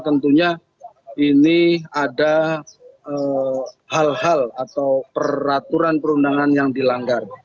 tentunya ini ada hal hal atau peraturan perundangan yang dilanggar